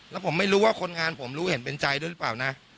แล้วผมไม่รู้ว่าคนงานผมรู้เห็นเป็นใจด้วยหรือเปล่านะ